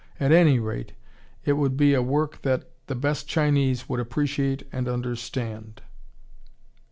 At any rate, it would be a work that the best Chinese would appreciate and understand."